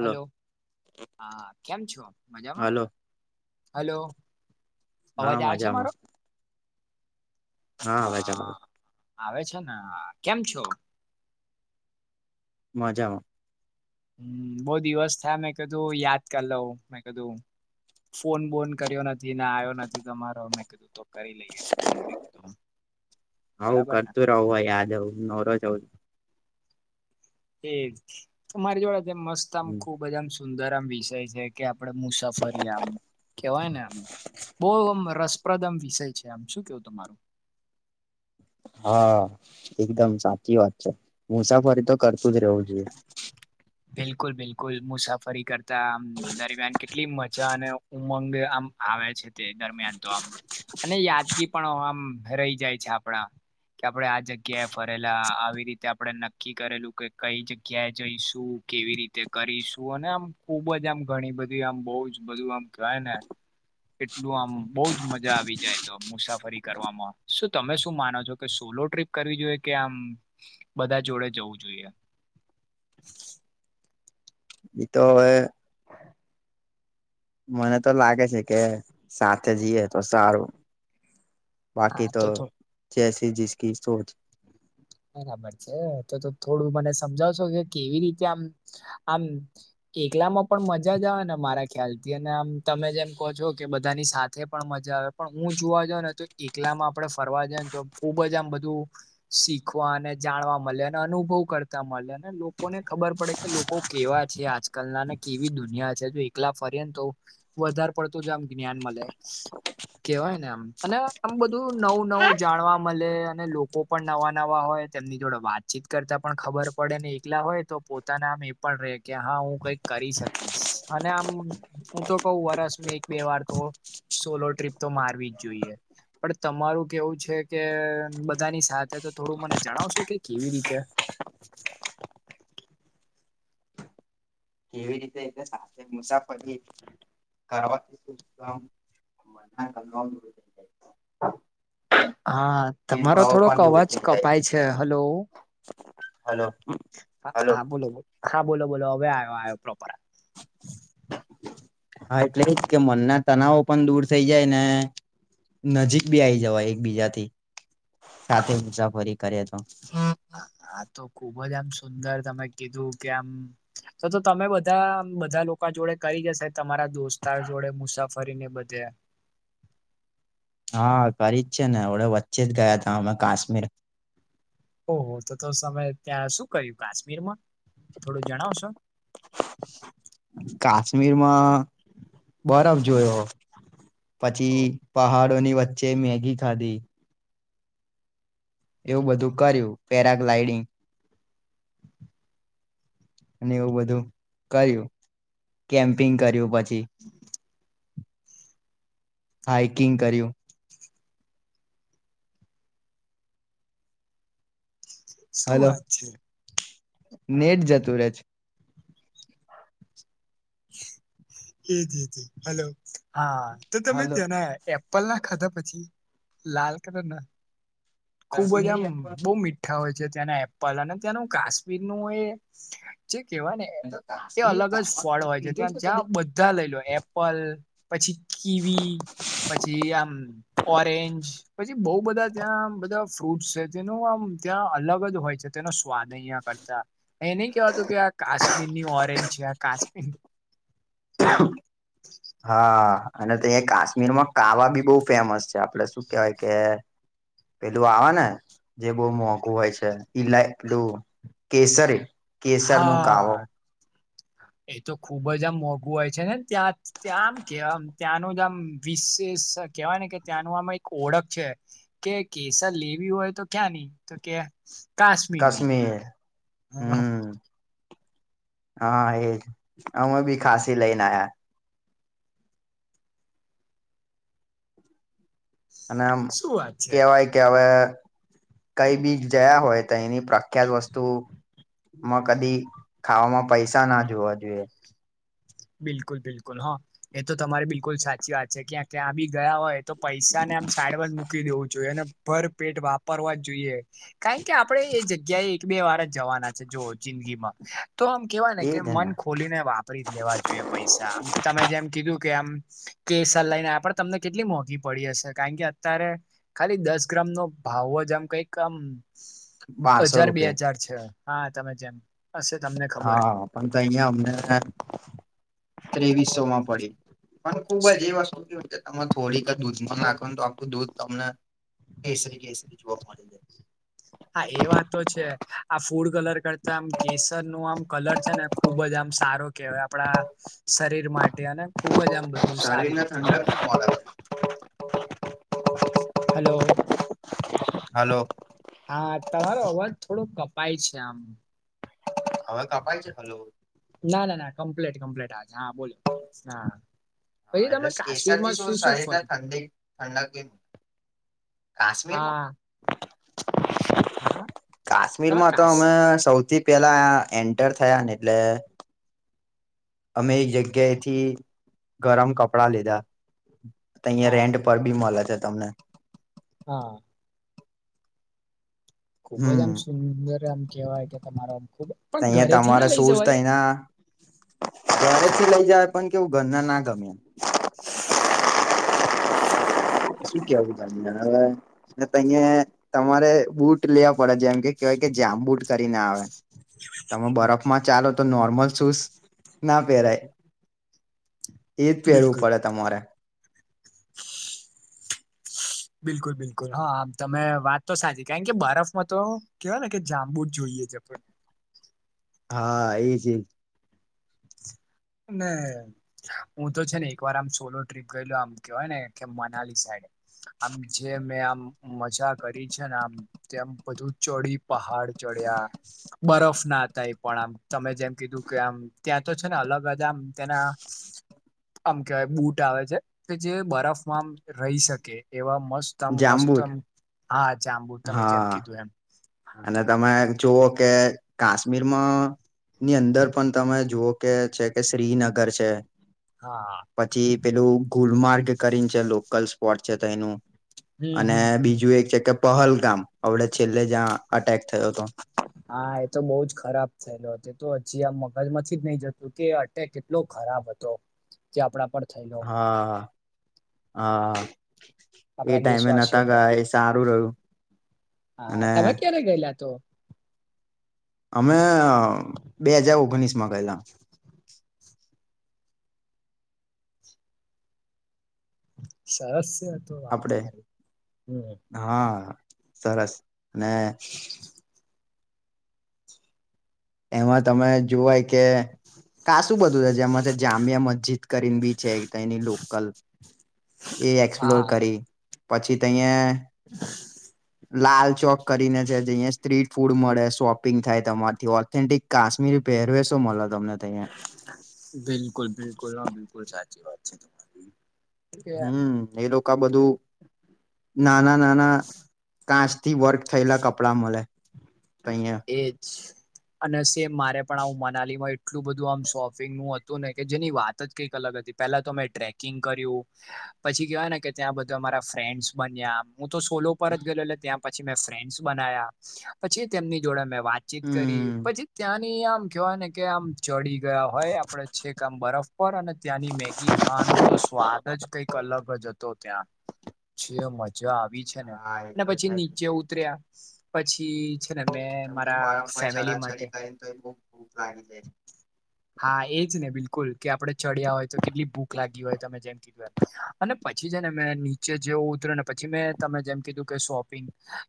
Hello હા કેમ છો મજામાં હલો હલો. અવાજ હા આવે છે મજામાં. મારો અવાજ આવે છે. હા આવે છે ને હા કેમ છો. મજામાં. બો દિવસ થયા મેં કીધું યાદ કરી લઉં મેં કીધું ફોન બોન કર્યો નથી ને આવ્યો નથી તમારો મેં કીધું તો. કરી લઈએ ફોન બી તો આવું બરાબર ને. [unintelligible] યાદવ આવું નવરો છો. એજ તમારી જોડે જે મસ્ત આમ ખુબ જ આમ સુંદર આમ વિષય છે. કે આપડે મુસાફરી આમ કેવાય ને આમ બો આમ રસ પ્રદમ વિષય છે આમ શું કેવું તમારું. હા એકદમ સાચી વાત છે મુસાફરી તો કરતું જ રહવું [inaudible] બિલકુલ બિલકુલ મુસાફરી કરતા આમ દરમિયાન કેટલી મજા અને ઉમંગ બી આમ આવે છે તે દરમિયાન તો આમ અને યાદગીર પણ આમ રહી જાય છે આપણા. કે આપડે આ જગ્યાએ ફરેલા આવી રીતે આપડે નક્કી કરેલું કઈ કઈ જગ્યાએ જઈશું કેવી રીતે કરીશું અને આમ ખુબ જ આમ ઘણી બધી આમ બહુ જ બધું આમ ટ્રાય ને. એટલું આમ બઉુ જ મજા આવી જાય તો મુસાફરી કરવામાં શું તમે શું માનો છો કે સોલો ટ્રીપ કરવી જોઈએ કે આમ બધા જોડે જવું જોઈએ. તો હવે [inaudible] મને તો લાગે છે કે સાથે જઈએ તો સારું. હા બાકી તો થોડું જૈસી જીસકી સોચ. બરાબર છે એ તો તો થોડું મને સમજાવશો કે કેવી રીતે આમ આમ એકલામાં પણ મજા જ આવે ને મારા ખ્યાલથી અને આમ તમે જેમ કહો છો કે બધાની સાથે પણ મજા આવે. પણ હું જોવા જઉ ને તો એકલામાં આપડે ફરવા જઈ ને તો ખુબ જ આમ બધું શીખ શીખવા અને જાણવા મળે અને અનુભવ કરતા મળે અને લોકોને ખબર પડે કે લોકો કેવા છે આજ કલના કેવી દુનિયા છે જો એકલા ફરી ને તો વધારે પડતો જો આમ જ્ઞાન મળે. કેવાય ને આમ અને આમ બધું નવું નવું જાણવા મળે અને લોકો પણ નવા. નવા હોય તેમની જોડે વાતચીત કરતા પણ ખબર પડે ને એકલા હોય તો પોતાના એ. પણ રે કે હા હું કંઈક કરી શકી. અને આમ હું તો કઉ વરસ મેં એક બે વાર તો. સોલો ટ્રીપ તો મારવી જ જોઈએ. પણ તમારું કેવું છે કે બધાની સાથે તો. થોડું મને જણાવશો કે કેવી રીતે. કેવી રીતે. કે મુસાફરી કરવાથી તો આમ. [unintelligible] હા તમારો ભેદભાવો થોડોક પણ દૂર અવાજ થઈ જાય કપાય છે હલો. હલો. હલો હા બોલો હા બોલો બોલો હવે આવ્યો આવ્યો પ્રોપર. હા એટલે એજ કે મનના તનાવો પણ દૂર થઈ જાય ને. નજીક બી આવી જવા એકબીજાથી સાથે મુસાફરી કરે તો. આ તો ખુબ જ આમ સુંદર તમે કીધું કે આમ. તો તો તમે બધા બધા લોકા જોડે કરી જ હશે તમારા દોસ્તાર જોડે મુસાફરી ને બધે. હા કરી જ છે ને હવડે વચ્ચે જ ગયા હતા અમે કાશ્મીર. ઓહો તો તો તમે ત્યાં શું કર્યું કાશ્મીરમાં થોડું જણાવશો. કાશ્મીરમાં બરફ જોયો. પછી ઓહ પહાડોની વચ્ચે મેગી ખાધી. એવું બધું કર્યું પેરાગ્લાઇડિંગ. અને એવું બધું કર્યું કેમ્પિંગ કર્યું પછી. [unintelligible] હાઈકિંગ કર્યું. શું હલો વાત છે. નેટ જતું રહેે છે. એ જ જ હલો હા તો તમે હલો તના. એપલ ના ખાધા પછી લાલ કલર ના. ખુબ જ આમ કાશ્મીરી બહુ મીઠા હોય છે ત્યાંના એપલ અને ત્યાંનું કાશ્મીરનું એ. જે કેહેવાય ને એ કાશ્મીરી અલગ જ કાવા ફળ હોય છે પીધું ત્યાં કદી જ્યાં બધા લઈ લો એપ. પલ પછી કીવી. પછી આમ ઓરેન્જ પછી બહ બધા ત્યાં. ફ્રૂટ છે તેનું આમ ત્યાં અલગ જ હોય છે તેનો સ્વાદ અહિયાં કરતા. એ નઇ કેવાતું કે આ કાશ્મીર ની ઓરેન્જ છે આ કાશ્મીર. [unintelligible] [inaudible] હા અને ત્યાં કાશ્મીર માં કાવા બી બહુ ફેમસ છે આપડે શું કેવાય કે. પેલું આવે ને જે બહ મોંઘું હોય છે ઈલા પેલું. કેસરે. હા. એ તો ખુબ જ આમ મોંઘું હોય છે નેને ત્યાં ત્યાં આમ કેવામ ત્યાંનું જ આમ વિશેષ. કેવાય ને કે ત્યાંનું આમાં એક ઓળખ છે. કે કેસર લેવી હોય તો ક્યાં ની તો કે કાશ્મીર ની. હમ [unintelligible] હા એજ અમે બી ખાંસી લઈને આયા અને આમ શું વાત છે કેવાય કે હવે કઈ બી જયા હોય તઈ એની પ્રખ્યાત વસ્તુ. માં કદી ખાવામાં પૈસા ના જોવા જોઈએ. બિલકુલ બિલકુલ હો એ તો તમારી બિલકુલ સાચી વાત છે કે ક્યાં બી ગયા હોય. તો પૈસા ને આમ સાડમાં જ મૂકી દેવું જોઈએ અને ભર પેટ વાપરવા જ જોઈએ. કારણ કે આપડે એ જગ્યાએ એક બે વાર જ જવાના છે જો જિંદગીમાં તો આમ કેવાય ને કે મન ખોલીને વાપરી જ લેવા જો પૈસા તમે જેમ કીધું કે આમ કેસર લઈને આ પણ તમને કેટલી મોંઘી પડી હશે કારણ કે અત્યારે ખાલી દસ ગ્રામ નો ભાવ જ આમ કઈક આમ બારસો હજાર બે રૂપિયા હજાર છે હા તમે જેમ હશે તમને ખબર હા પણ તો અહિયાં અમને ત્રેવીસો માં પડી પણ ખુબ જ એ વસ્તુ કેવી રીતે તમાં થોડીક દૂધ નાખવા તો આપડું દૂધ તમને કેસરી કેસરી જોવા મળી જાય. હા એ વાત તો છે આ ફૂડ કલર કરતા આમ કેસર નું આમ કલર છે ને ખુબ જ આમ સારો કેહેવાય આપડા શરીર માટે અને ખુબ જ આમ બધું સારી રીતે શરીરને હોય ઠંડક આવે. હલો. હલો હા, તમારો અવાજ થોડો કપાય છે આમ. હવે કપાય છે, હલો? ના ના ના કમ્પ્લીટ કમ્પ્લીટ. હા બોલો હા. હા, પછી એટલે તમે કેસરથી કાશ્મીરમાં શું શરીર ને ફર્યું ઠંડી ઠંડક એમ કાશ્મીરમાં હા હા તમે કાશ્મીરમાં તો કાશ અમે સૌથી પેલા આ એન્ટર થયા ને એટલે અમે એક જગ્યાએથી ગરમ કપડા લીધા તહીંયા હા રેન્ટ પર બી મલે છે તમને. હા. ખુબ જ હમ એમ સુંદર એમ કેવાય કે તમારો આમ ખૂબ અહિયાં તમારે શુંઝ તો એના ઘરેથી લઈ જાય પણ કેવું ગરના ના ગમ્યા. શું કેવું તમને [unintelligible] ને તહીંયે તમારે બૂટ લેવા પડે જેમ કે કેહેવાય કે જામ બુટ કરી ને આવે. તમે બરફમાં ચાલો તો નોર્મલ શૂઝ ના પહેરાય. એજ પહેરવું બિલકુલ પડે તમારે. બિલકુલ બિલકુલ હા આમ તમે વાત તો સાચી કારણ કે બરફમાં તો કેવાય ને કે જાંબુ જ જોઈએ છે પણ. હા, એ જે ને એમ. હું તો છે ને એક વાર આમ સોલો ટ્રીપ ગયે આમ કેવાય ને કે મનાલી સાઈડે આમ જે મેં આમ મજા કરી છે ને આમ તેમ બધું ચડી પહાડ ચડ્યા બરફ ના હતા એ પણ આમ તમે જેમ કીધું કે આમ ત્યાં તો છે ને અલગ અગ જે આમ તેના આમ કેહેવાય બુટ આવે છે કે જે બરફમાં રહી શકે એવા મસ્ત દા મસ્ત જાંબુ આમ હા જાંબુ તમે જેમ હા કીધું એમ. હા અને તમે જુઓ કે કાશ્મીરમાં ની અંદર પણ તમે જુઓ કે છે કે શ્રીનગર છે હા. પછી પેલું ગુલમાર્ગ કરીને છે લોકલ સ્પોટ છે તો એનું હમ અને હમ બીજું એક છે કે પહલગામ અવડે છેલ્લે જ્યાં અટેક થયો તો. હા, એ તો બઉુ જ ખરાબ થયેલો તે તો હજી આ મગજ માંથી જ નહી જતું કે તે કેટલો ખરાબ હતો. જે આપડા પર થયુ હા હા એ આપણા ટાઈમે દેશવાસીઓ નહતા પર ગયા એ સારું રહ્યું અને રે ગયેલા તો અમે બે હજાર ઓગણીસ માં ગયલા સરસ આ તો વાત આપડે તમારી હમ હા સરસ અને [inaudible] એમાં તમે જોવાય કે કાસું બધું છે જેમાંથી જામિયા મસ્જિદ કરીને બી છે એક એની લોકલ એ એક્સપ્લોર હા કરી પછી તહીયા [unintelligible] લાલ ચોક કરીને છે જયા સ્ટ્રીટ ફૂડ મળે શોપિંગ થાય તમારથી ઓથેન્ટિક કાશ્મીરી પહેરવેેશો મળે તમને તહીંયા બિલકુલ બિલકુલ હા બિલકુલ સાચી વાત છે ત હમ એ લોકો બધું નાના નાના કાચ થી વર્ક થયેલા કપડાં મળે તહીંયા એ જ અને સેમ મારે પણ આવું મનાલીમાં એટલું બધું આમ શોપિંગ નું હતું ને કે જેની વાત જ કંઈક અલગ હતી પેલા તો મેં ટ્રેકિંગ કર્યું પછી કેવાય ને કે ત્યાં બધા અમારા ફ્રેન્ડસ બન્યા આમ હું તો સોલો પર જ ગયેલો ત્યાં પછી મેં ફ્રેન્ડસ બનાયા પછી તેમની જોડે મેં વાત ચીત કરી હમ પછી ત્યાંની આમ કેવાય ને કે આમ ચડી ગયા હોય આપડે છેક આમ બરફ પર અને ત્યાંની મેગી ખાવાનો તો સ્વાદ જ કંઈક અલગ જ હતો ત્યાં જે મજા આવી છે ને હા એ અને તો છે પછી જ ને. નીચે ઉતર્યા પછી છેને મે કેમ કે મારા બરફ પર ફેમિલી માટે ચડાચડી કરીને તો બહુ ભૂખ લાગી જાય છે હા એજ ને બિલકુલ કે આપડે ચડ્યા હોય તો કેટલી ભૂખ લાગી હોય તમે જેમ કે અને પછી છે ને મેં નીચે જેવું ઉતર્યો ને પછી મેં તમે જેમ કીધું કે શોપિંગ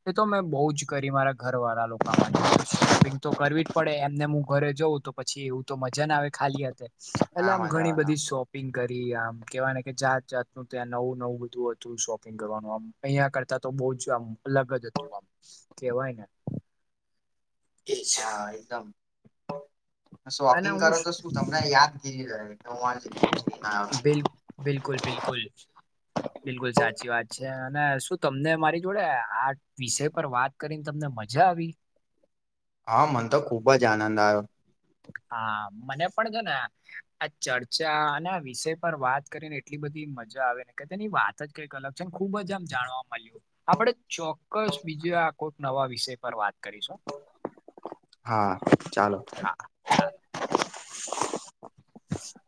એ તો મેં બહુ જ કરી મારા ઘર વાળા લોકો માટે કે શોપિંગ તો કરવી જ પડે એમને ઘરે જવું તો પછી એવું તો મજા ના આવે ખાલી હાથે એટલે ના આમ મજા ઘણી આવે ના બધી સોપ પિંગ કરી આમ કેહેવા ને કે જાત જાતનું ત્યાં નવું નવું બધું હતું શોપિંગ કરવાનું આમ અહિયાયા કરતા તો બહુ જ આમ અલગ જ હતું આમ કેવાય ને એજ હા એકદમ શોપિંગ અને કરો હું તો શું તમને યાદગીરી રહે હું આ જગ્યાએ જઈને આવ્યો. બિલક બિલકુલ બિલકુલ બિલકુલ સાચી વાત છે અને શું તમને મારી જોડે આ વિષય પર વાત કરીને તમને મજા આવી? હા મન તો ખુબ જ આનંદ આવ્યો હા મને પણ છે ને આ ચર્ચા અને આ વિષય પર વાત કરીને એટલી બધી મજા આવે ને કે તેની વાત કઈ અલગ છે ખુબ જ આમ જાણવા મળ્યું આપડ ચોક્કસ બીજે આ કોઈક નવા વિષય પર વાત કરીશું હા ચાલો હા ચાલો [inaudible]